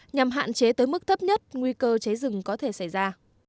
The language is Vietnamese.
nhằm hạn chế tới mức thấp nhất nguy cơ cháy rừng có thể xảy ra